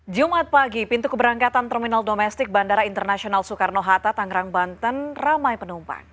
jumat pagi pintu keberangkatan terminal domestik bandara internasional soekarno hatta tangerang banten ramai penumpang